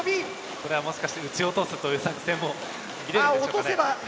これはもしかして撃ち落とすという作戦も見れるんでしょうかね？